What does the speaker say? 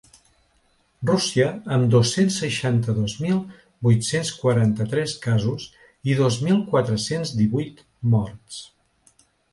Rússia, amb dos-cents seixanta-dos mil vuit-cents quaranta-tres casos i dos mil quatre-cents divuit morts.